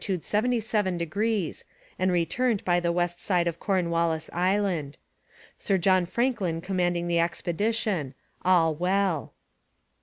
77° and returned by the west side of Cornwallis Island. Sir John Franklin commanding the expedition. All well.'